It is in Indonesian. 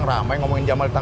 nanti dia akan berjalan